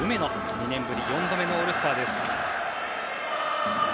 ２年ぶり４度目のオールスター。